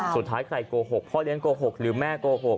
สุดท้ายใครโกหกพ่อเลี้ยงโกหกหรือแม่โกหก